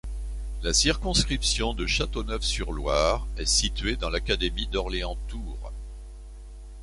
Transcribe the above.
La circonscription de Châteauneuf-sur-Loire est située dans l'académie d'Orléans-Tours.